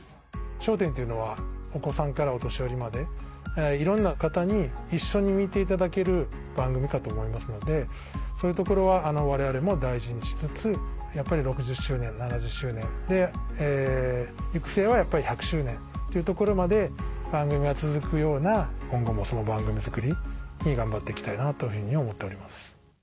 『笑点』というのはお子さんからお年寄りまでいろんな方に一緒に見ていただける番組かと思いますのでそういうところは我々も大事にしつつやっぱり６０周年７０周年行く末はやっぱり１００周年っていうところまで番組が続くような今後も番組作り頑張って行きたいなというふうに思っております。